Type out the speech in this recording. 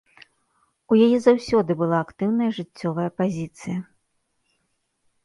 У яе заўсёды бала актыўная жыццёвая пазіцыі.